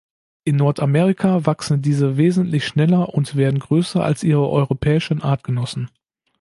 In Nordamerika wachsen diese wesentlich schneller und werden größer als ihre europäischen Artgenossen.